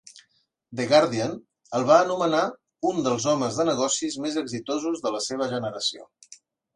"The Guardian" el va anomenar "un dels homes de negocis més exitosos de la seva generació".